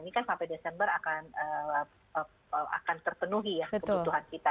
ini kan sampai desember akan terpenuhi ya kebutuhan kita